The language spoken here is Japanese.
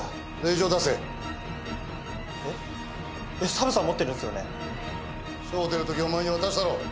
署を出るときお前に渡したろ。